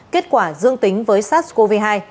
kết quả dương tính với sars cov hai